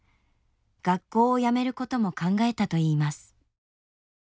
学校をやめることも考えたといいます。